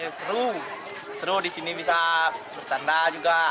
ya seru seru disini bisa bercanda juga